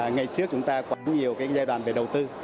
ngày trước chúng ta có nhiều cái giai đoạn về đầu tư